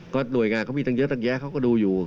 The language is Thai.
หน่วยงานเขามีตั้งเยอะตั้งแยะเขาก็ดูอยู่